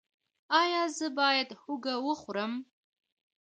ایا زه باید هوږه وخورم؟